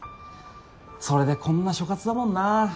それでこんな所轄だもんな。